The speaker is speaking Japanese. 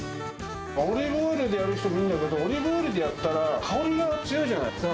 オリーブオイルでやる人もいるけど、オリーブオイルでやったら、香りが強いじゃないですか。